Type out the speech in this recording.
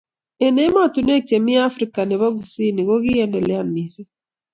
en emotinwek chemii Afika Afrika nebo kusini kokiendelean misiing